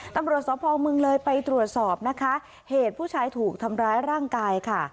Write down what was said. ตำรวจสภเมืองเลยไปตรวจสอบนะคะเหตุผู้ชายถูกทำร้ายร่างกายค่ะ